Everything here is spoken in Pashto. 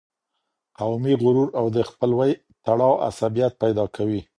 قومي غرور او د خپلوۍ تړاو عصبیت پیدا کوي.